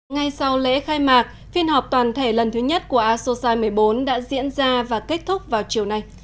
ngay sau lễ khai mạc phiên họp toàn thể lần thứ nhất của asosai một mươi bốn đã diễn ra và kết thúc vào chiều nay